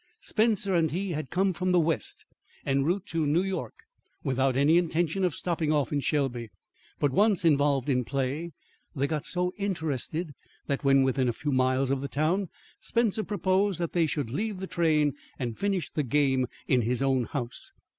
Spencer and he had come from the west en route to New York without any intention of stopping off in Shelby. But once involved in play, they got so interested that when within a few miles of the town, Spencer proposed that they should leave the train and finish the game in his own house.